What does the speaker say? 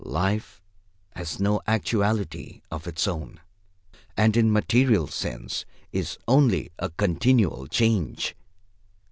Life has no actuality of its own, and in material sense is only a continual change.